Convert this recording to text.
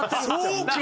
そうか！